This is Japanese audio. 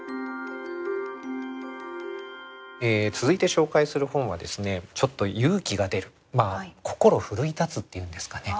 続いて紹介する本はですねちょっと勇気が出るまあ心奮い立つっていうんですかね